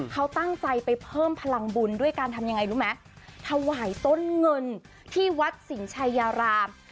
เขาตั้งใจไปเพิ่มพลังบุญด้วยการทำยังไงรู้ไหมถวายต้นเงินที่วัดสิงห์ชายาราม